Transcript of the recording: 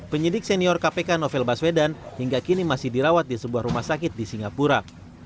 penyidik senior kpk novel baswedan hingga kini masih dirawat di sebuah rumah sakit di singapura